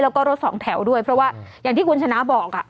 แล้วก็รถสองแถวด้วยเพราะว่าอย่างที่คุณชนะบอก